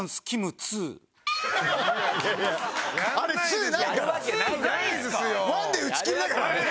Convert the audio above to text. １で打ち切りだからあれ。